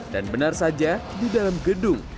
dan benar saja di dalam gedung